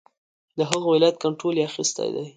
د هغه ولایت کنټرول یې اخیستی دی.